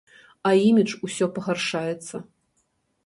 А імідж усё пагаршаецца.